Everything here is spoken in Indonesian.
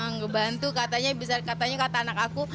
nggak bantu katanya bisa katanya kata anak aku